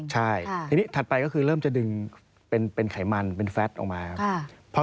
ใช่ทีนี้ถัดไปก็คือเริ่มจะดึงเป็นไขมันเป็นแฟทออกมาครับ